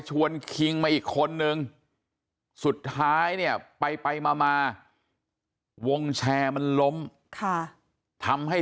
คิงมาอีกคนนึงสุดท้ายเนี่ยไปไปมาวงแชร์มันล้มค่ะทำให้